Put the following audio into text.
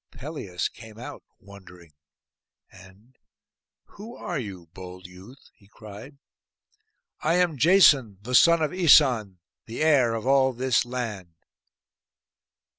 Pelias came out wondering, and 'Who are you, bold youth?' he cried. 'I am Jason, the son of Æson, the heir of all this land.